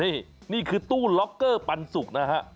นี่นี่คือตู้ล็อกเกอร์ปันสุกนะฮะ